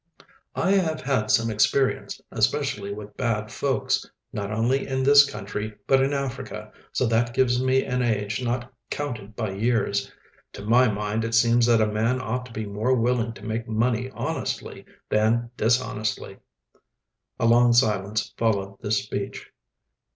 "I have had some experience, especially with bad folks not only in this country, but in Africa, so that gives me an age not counted by years. To my mind it seems that a man ought to be more willing to make money honestly than dishonestly." A long silence followed this speech.